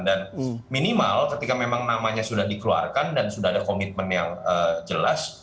dan minimal ketika memang namanya sudah dikeluarkan dan sudah ada komitmen yang jelas